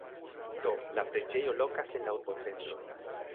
Do, la preĝejo lokas en la urbocentro.